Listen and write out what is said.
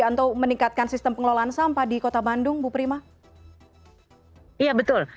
atau meningkatkan sistem pengelolaan sampah